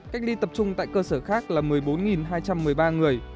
cách ly tập trung tại cơ sở khác là một mươi bốn hai trăm một mươi ba người